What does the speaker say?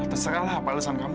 terserahlah apa alasan kamu